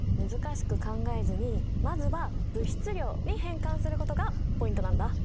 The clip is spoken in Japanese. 難しく考えずにまずは物質量に変換することがポイントなんだ！